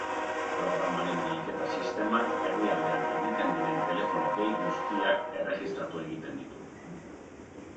Programaren bilketa sistemak herrialdean egiten diren telefono-dei guztiak erregistratu egiten ditu.